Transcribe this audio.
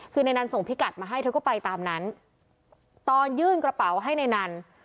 คือในนั้นส่งพิกัดมาให้เธอก็ไปตามนั้นตอนยื่นกระเป๋าให้ในนั้น